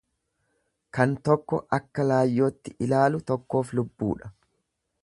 Kan tokko akka laayyootti ilaalu tokkoof lubbuudha.